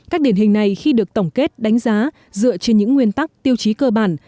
các điển hình này khi được tổng kết đánh giá dựa trên những nguyên tắc tiêu chí cơ bản